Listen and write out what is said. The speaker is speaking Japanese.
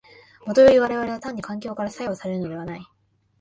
もとより我々は単に環境から作用されるのではない。